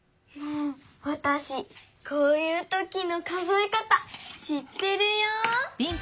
わたしこういうときの数えかたしってるよ！